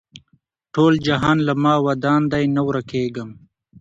ټول جهان له ما ودان دی نه ورکېږم